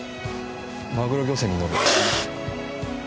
マグロ漁船に乗る。